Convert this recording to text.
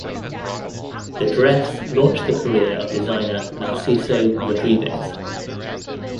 The dress launched the career of designer Narciso Rodriguez.